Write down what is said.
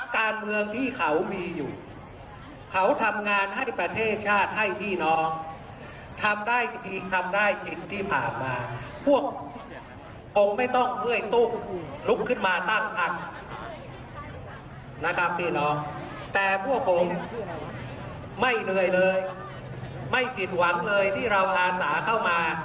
แต่พวกผมไม่เหนื่อยเลยไม่ติดหวังเลยที่เราอาศาเข้ามา